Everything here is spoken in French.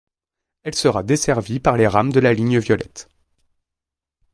Elle sera desservie par les rames de la ligne violette.